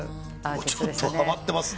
ちょっとはまってますね。